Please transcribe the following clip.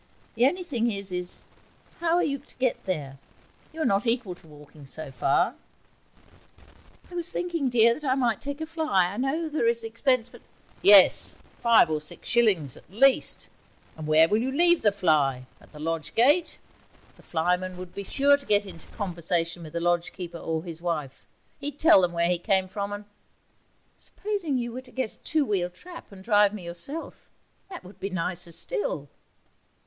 The only thing is, how are you to get there? You are not equal to walking so far ' 'I was thinking, dear, that I might take a fly. I know there is the expense, but ...' 'Yes; five or six shillings, at least. And where will you leave the fly? At the lodge gate? The flyman would be sure to get into conversation with the lodge keeper or his wife. He'd tell them where he came from, and ' 'Supposing you were to get a two wheeled trap and drive me yourself; that would be nicer still.'